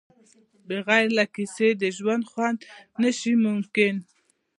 بغیر له کیسې د ژوند خوند نشي ممکن.